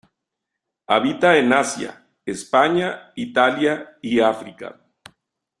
Habita en Asia, España, Italia y África.